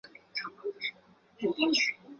很多时候你不会看到他们像这样。